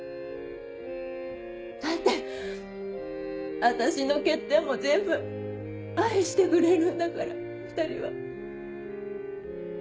だって私の欠点も全部愛してくれるんだから２人は。